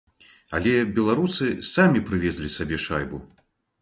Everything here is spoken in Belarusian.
Але беларусы самі прывезлі сабе шайбу.